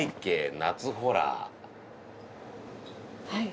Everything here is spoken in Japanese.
はい。